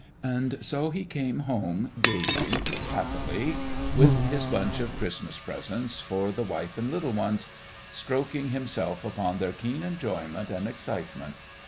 And so he came home gaily, happily, with his bunch of Christmas presents "for the wife and little ones," stroking himself upon their keen enjoyment and excitement.